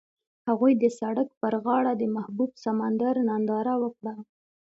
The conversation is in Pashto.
هغوی د سړک پر غاړه د محبوب سمندر ننداره وکړه.